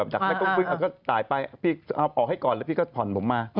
จากกล้องฟุ้งฟิ้งก็ตายไปพี่ออกให้ก่อนพี่ก็ผ่อนผมมา